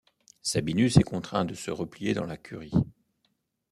Sabinus est contraint de se replier dans la Curie.